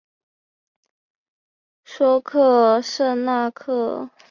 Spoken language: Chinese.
叙克和圣纳克。